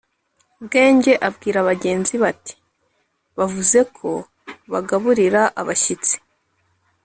bwenge abwira bagenzi be ati "bavuze ko bagaburira abashyitsi